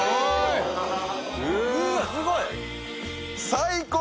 最高！